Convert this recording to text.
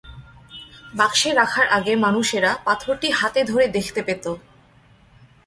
বাক্সে রাখার আগে মানুষেরা পাথরটি হাতে ধরে দেখতে পেত।